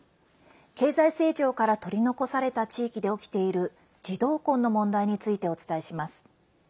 経済成長から取り残された地域で起きている児童婚の問題についてお伝えします。